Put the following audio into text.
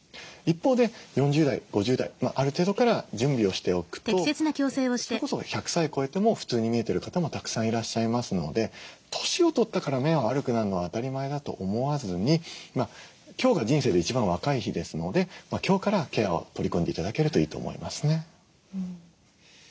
一方で４０代５０代ある程度から準備をしておくとそれこそ１００歳超えても普通に見えてる方もたくさんいらっしゃいますので年を取ったから目は悪くなるのは当たり前だと思わずに今日が人生で一番若い日ですので今日からケアを取り組んで頂けるといいと思いますね。